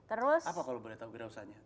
apa kalau boleh tahu wirausahanya